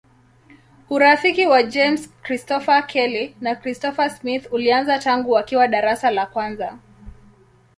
Urafiki wa James Christopher Kelly na Christopher Smith ulianza tangu wakiwa darasa la kwanza.